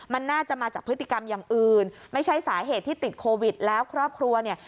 มันน่าจะมาจากพฤติกรรมอย่างอื่นไม่ใช่สาเหตุที่ติดโควิดแล้วครอบครัวเนี่ย